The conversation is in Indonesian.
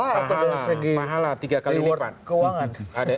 atau dari segi reward keuangan